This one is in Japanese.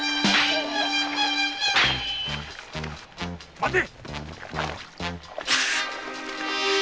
待て！